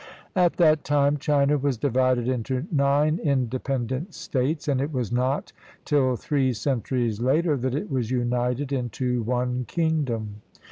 At that time China was divided into nine independent states, and it was not till three centuries later that it was united into one kingdom.